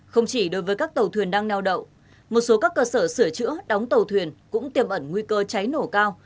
không chỉ đối với các tàu thuyền đang neo đậu một số các cơ sở sửa chữa đóng tàu thuyền cũng tiềm ẩn nguy cơ cháy nổ cao